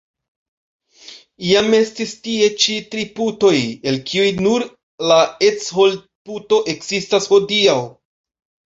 Iam estis tie ĉi tri putoj, el kiuj nur la Eckholdt-puto ekzistas hodiaŭ.